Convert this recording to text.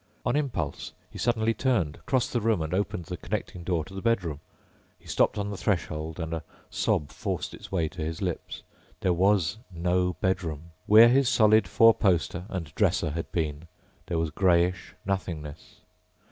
On impulse he suddenly turned, crossed the room and opened the connecting door to the bedroom. He stopped on the threshold and a sob forced its way to his lips. There was no bedroom. Where his stolid four poster and dresser had been there was greyish nothingness.